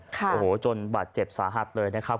โอ้โหจนบาดเจ็บสาหัสเลยนะครับ